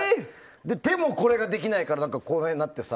手もこれができないからこの辺にあってさ。